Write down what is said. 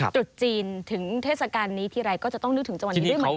ตรุษจีนถึงเทศกาลนี้ทีไรก็จะต้องนึกถึงจังหวัดนี้ด้วยเหมือนกัน